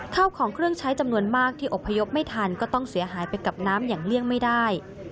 ข้าวของเครื่องใช้จำนวนมากที่อบพยพไม่ทันก็ต้องเสียหายไปกับน้ำอย่างเลี่ยงไม่ได้